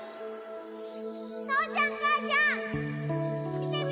父ちゃん母ちゃん！